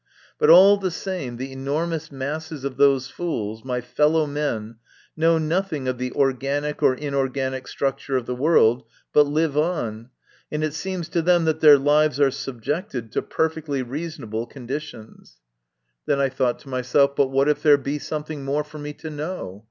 But, all the same, the enormous masses of those fools, my fellow men, know nothing of the organic or inorganic structure of the world, but live on, and it seems to them that their lives are subjected to perfectly reasonable conditions ! 74 MY CONFESSION. Then I thought to myself: "But what if there be something more for me to know?